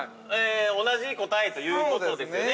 同じ答えということですね。